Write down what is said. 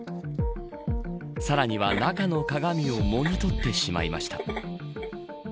さらには中の鏡ももぎ取ってしまいました。